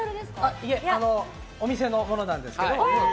いえ、お店のものなんですけど。